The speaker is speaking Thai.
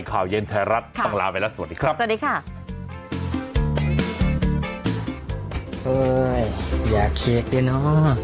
เช็คดูนะปุสิกิลดูนะ